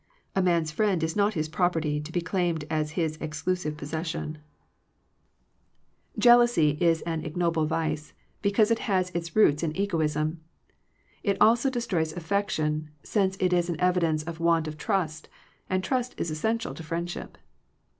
A man's friend is not his property, to be claimed as his exclusive possession. >93 Digitized by VjOOQIC THE LIMITS OF FRIENDSHIP Jealousy is an ignoble vice, because it has its roots in egotism. It also destroys af fection, since it is an evidence of want of trust, and trust is essential to friendship.